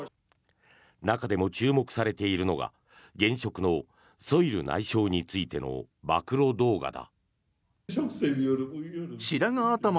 中でも注目されているのが現職のソイル内相についての暴露動画だ。